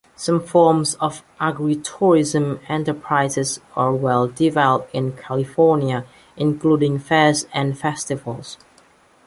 Some forms of agritourism enterprises are well developed in California, including fairs and festivals.